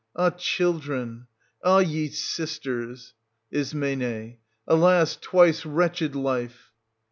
Ah, children — ah, ye sisters ! Is. Alas, twice 330 wretched life